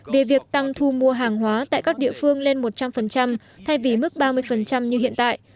về việc tăng thu mua hàng hóa tại các địa phương lên một trăm linh thay vì mức ba mươi như hiện tại